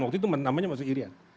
waktu itu namanya masih irian